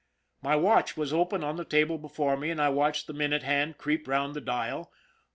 My watch was open on the table before me, and I watched the minute hand creep round the dial. 4.